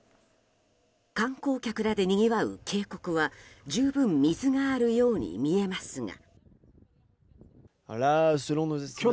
観光客らでにぎわう渓谷は十分水があるように見えますが。